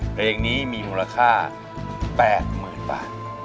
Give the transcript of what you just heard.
เพลงนี้มีมูลค่า๘๐๐๐บาท